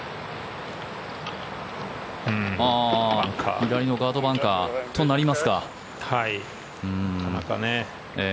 左のガードバンカーとなりますか。